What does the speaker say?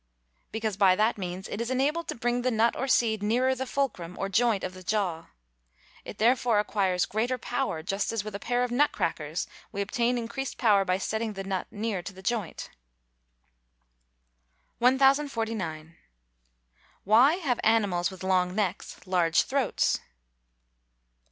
_ Because by that means it is enabled to bring the nut or seed nearer the fulcrum, or joint of the jaw. It, therefore, acquires greater power, just as with a pair of nut crackers we obtain increased power by setting the nut near to the joint. 1049. _Why have animals with long necks large throats?